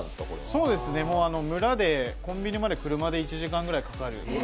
そうですね、村でコンビニまで車で１時間ぐらいかかる。